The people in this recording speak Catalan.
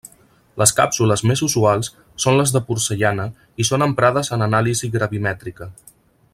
Les càpsules més usuals són les de porcellana i són emprades en anàlisi gravimètrica.